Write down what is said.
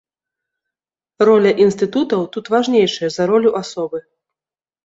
Роля інстытутаў тут важнейшая за ролю асобы.